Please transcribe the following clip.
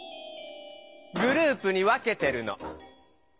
グループに分けてるの。